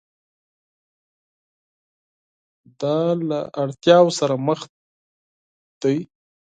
دا له اړتیاوو سره مخ دي.